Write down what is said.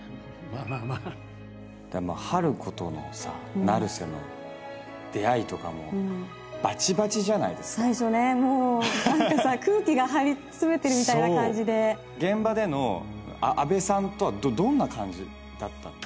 まあまあまあ春子とのさ成瀬の出会いとかもバチバチじゃないですか最初ねもお何かさ空気が張り詰めてるみたいな感じで現場での阿部さんとはどんな感じだったの？